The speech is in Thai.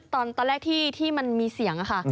ตอนแรกที่มันมีเสียงค่ะ